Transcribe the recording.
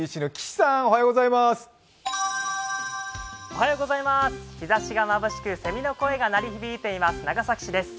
日ざしがまぶしくてせみの声が鳴り響いています。